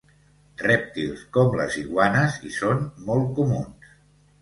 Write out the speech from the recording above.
Rèptils com les iguanes hi són molt comuns.